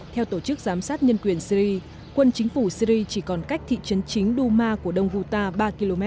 theo tổ chức giám sát nhân quyền syri quân chính phủ syri chỉ còn cách thị trấn chính duma của đông guta ba km